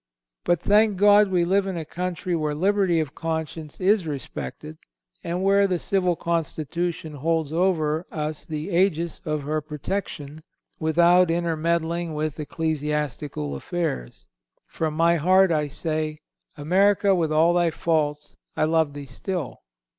But, thank God, we live in a country where liberty of conscience is respected, and where the civil constitution holds over us the ægis of her protection, without intermeddling with ecclesiastical affairs. From my heart, I say: America, with all thy faults, I love thee still.